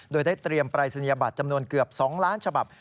โดยได้เตรียมปรายศนียบัตรจำนวนเกือบ๒ล้านฉบับ